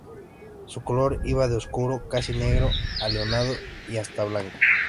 Su color iba de oscuro, casi negro a leonado y hasta blanco.